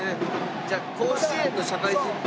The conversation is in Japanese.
じゃあ甲子園の社会人版？